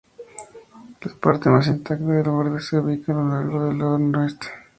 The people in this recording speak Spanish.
La parte más intacta del borde se ubica a lo largo del lado noreste.